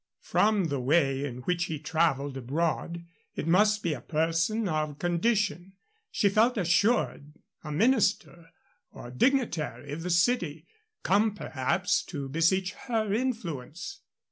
From the way in which he traveled abroad it must be a person of condition she felt assured a minister or dignitary of the city, come perhaps to beseech her influence.